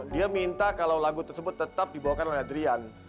dia minta kalau lagu tersebut tetap dibawakan oleh adrian